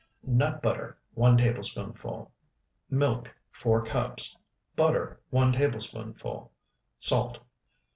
Nut butter, 1 tablespoonful. Milk, 4 cups. Butter, 1 tablespoonful. Salt.